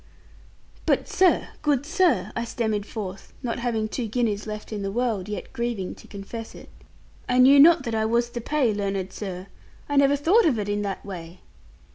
'But sir, good sir,' I stammered forth, not having two guineas left in the world, yet grieving to confess it, 'I knew not that I was to pay, learned sir. I never thought of it in that way.'